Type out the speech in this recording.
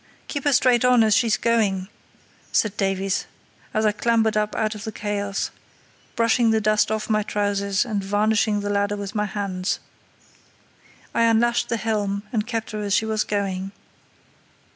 "Keep her straight on as she's going," said Davies, as I clambered up out of the chaos, brushing the dust off my trousers and varnishing the ladder with my hands. I unlashed the helm and kept her as she was going.